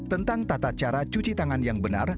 tentang tata cara cuci tangan yang benar